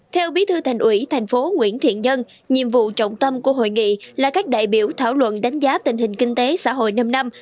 theo bí thư thành ủy tp hcm nhiệm vụ trọng tâm của hội nghị là các đại biểu thảo luận đánh giá tình hình kinh tế xã hội năm năm